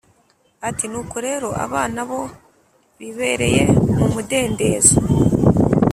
ati Nuko rero abana bo bibereye mu mudendezo